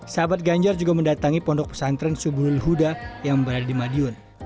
sahabat ganjar juga mendatangi pondok pesantren suburul huda yang berada di madiun